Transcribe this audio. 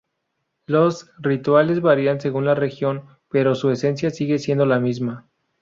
Los rituales varían según la región, pero su esencia sigue siendo la misma.